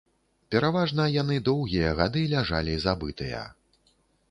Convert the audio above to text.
Пераважна яны доўгія гады ляжалі забытыя.